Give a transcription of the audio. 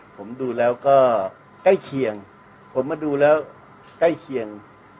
ผมดูแล้วก็ใกล้เคียงผมมาดูแล้วใกล้เคียง